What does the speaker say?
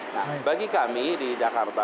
nah bagi kami di jakarta